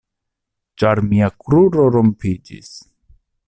Ĉar mia kruro rompiĝis.